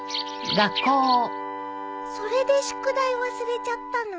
それで宿題忘れちゃったの？